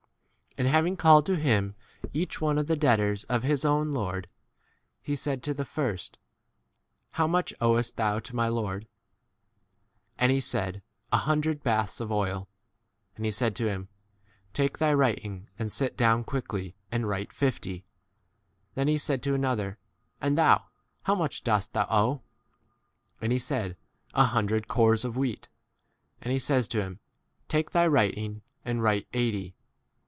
8 5 And having called to [him] each one of the debtors of his own lord, he said to the first, How much owest thou to my lord ? 6 And he said, A hundred baths of oil. And he said to him, Take thy writing and sit down quickly 7 and write fifty. Then he said to another, And thou, how much dost thou owe ? And he said, A hundred cors of wheat. And he says to him, Take thy writing and 8 write eighty.